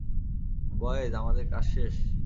Boys, আমাদের কাজ শেষ?